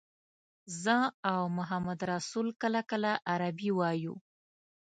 زه او محمدرسول کله کله عربي وایو.